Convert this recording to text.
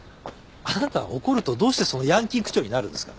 あなたは怒るとどうしてそうヤンキー口調になるんですかね？